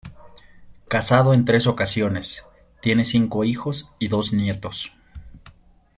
Casado en tres ocasiones, tiene cinco hijos y dos nietos.